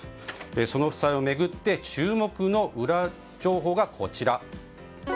その夫妻を巡って注目のウラ情報がこちら。